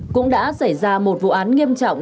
cũng đã xảy ra một vụ án nghiêm trọng